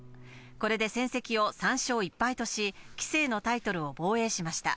これで戦績を３勝１敗とし、棋聖のタイトルを防衛しました。